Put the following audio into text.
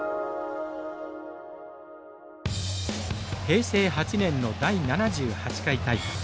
平成８年の第７８回大会。